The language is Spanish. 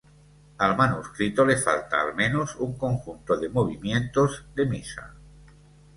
Al manuscrito le falta al menos un conjunto de movimientos de misa.